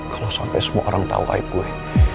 kalo sampe semua orang tau hype gue